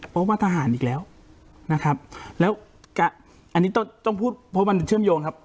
เพราะว่าทหารอีกแล้วนะครับแล้วอันนี้ต้องต้องพูดเพราะมันเชื่อมโยงครับ